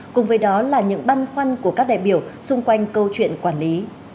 cùng với đó là những băn khoăn của các đại biểu xung quanh câu chuyện quản lý